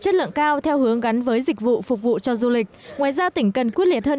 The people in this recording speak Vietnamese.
chất lượng cao theo hướng gắn với dịch vụ phục vụ cho du lịch ngoài ra tỉnh cần quyết liệt hơn